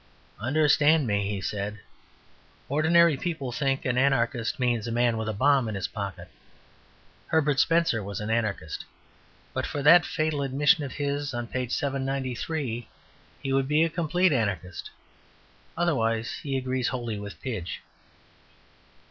"Understand me," he said. "Ordinary people think an Anarchist means a man with a bomb in his pocket. Herbert Spencer was an Anarchist. But for that fatal admission of his on page 793, he would be a complete Anarchist. Otherwise, he agrees wholly with Pidge."